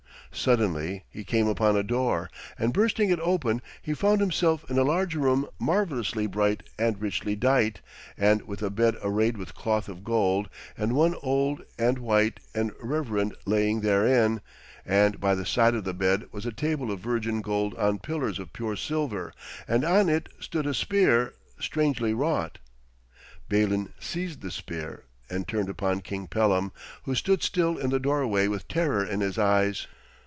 Suddenly he came upon a door, and bursting it open he found himself in a large room marvellously bright and richly dight, and with a bed arrayed with cloth of gold, and one old and white and reverend lying therein. And by the side of the bed was a table of virgin gold on pillars of pure silver, and on it stood a spear, strangely wrought. Balin seized the spear, and turned upon King Pellam, who stood still in the doorway with terror in his eyes.